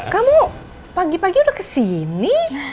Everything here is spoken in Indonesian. kamu pagi pagi udah kesini